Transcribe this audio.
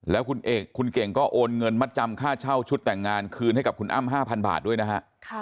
แล้วคุณเก่งก็โอนเงินมัดจำค่าเช่าชุดแต่งงานคืนให้กับคุณอ้ำ๕๐๐บาทด้วยนะฮะ